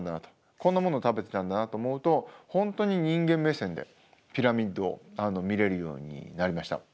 「こんなもの食べてたんだな」と思うと本当に人間目線でピラミッドを見れるようになりました。